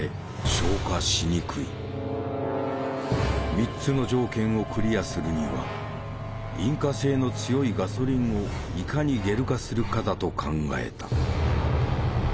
３つの条件をクリアするには引火性の強いガソリンをいかにゲル化するかだと考えた。